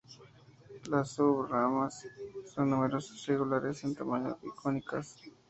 Las sub-ramas son numerosas, irregulares en tamaño y cónicas.